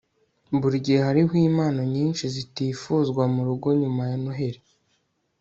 buri gihe hariho impano nyinshi zitifuzwa murugo nyuma ya noheri